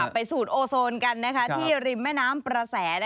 ไปสูดโอโซนกันที่ริมแม่น้ำประแส